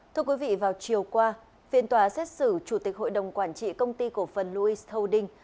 thưa quý vị vào chiều qua phiên tòa xét xử chủ tịch hội đồng quản trị công ty cổ phần louis holding